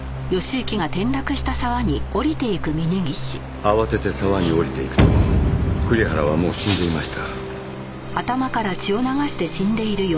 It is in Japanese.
慌てて沢に下りていくと栗原はもう死んでいました。